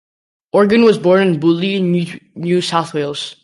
Organ was born in Bulli, New South Wales.